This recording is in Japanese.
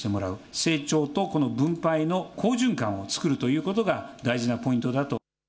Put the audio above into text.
成長とこの分配の好循環を作るということが大事なポイントだと。